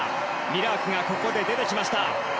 ミラークが出てきました。